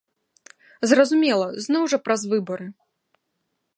Зразумела, зноў жа праз выбары.